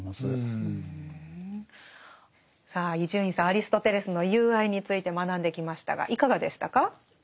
アリストテレスの「友愛」について学んできましたがいかがでしたか？